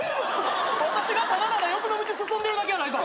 私がただただ欲の道進んでるだけやないか。